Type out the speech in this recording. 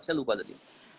saya lupa tadi